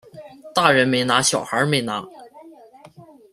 大人没拿小孩没拿